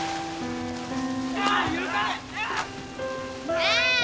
ねえ。